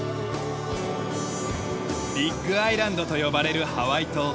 ビッグ・アイランドと呼ばれるハワイ島。